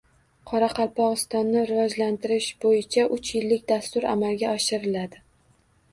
Qoraqalpog‘istonni rivojlantirish bo‘yicha uch yillik dastur amalga oshiriladi